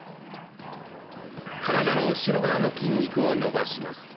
体の後ろ側の筋肉を伸ばします。